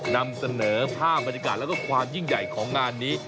นำเสนอภาพบรรยากาศแล้วก็ความยิ่งใหญ่ของงานนี้